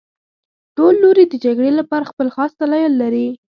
ټول لوري د جګړې لپاره خپل خاص دلایل لري